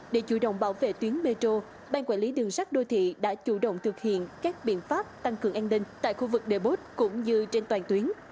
để chủ động bảo vệ tuyến metro bang quản lý đường sắt đô thị đã chủ động thực hiện các biện pháp tăng cường an ninh tại khu vực de bốt cũng như trên toàn tuyến